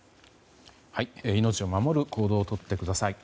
命を守る行動をとってください。